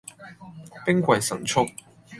兵貴神速